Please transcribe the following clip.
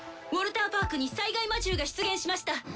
ウォルターパークに災害魔獣が出現しました！